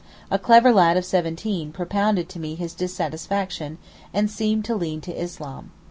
A clever lad of seventeen propounded to me his dissatisfaction, and seemed to lean to Islam.